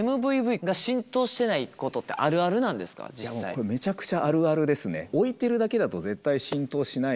これめちゃくちゃあるあるですね。